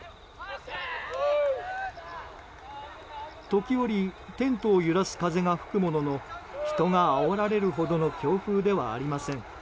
時折テントを揺らす風が吹くものの人があおられるほどの強風ではありません。